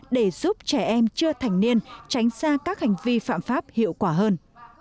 để giúp trẻ em chưa thành niên tránh xa các hành vi phạm pháp hiệu quả hơn